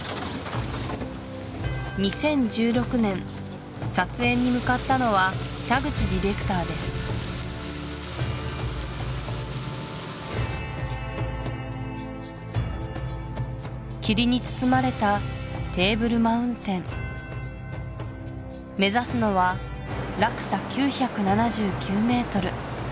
２０１６年撮影に向かったのは田口ディレクターです霧に包まれたテーブルマウンテン目指すのは落差９７９ｍ